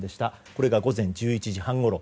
これが午前１１時半ごろ。